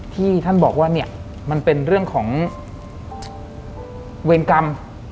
ที่ท่านบอกว่าเนี่ยมันเป็นเรื่องของเวรกรรม